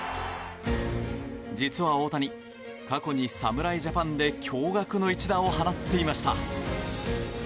実は大谷、過去に侍ジャパンで驚愕の一打を放っていました。